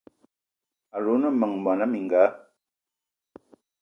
Alou o ne meng mona mininga?